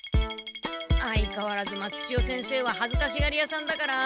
相かわらず松千代先生ははずかしがりやさんだから。